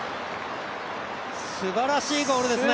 すばらしいゴールですね。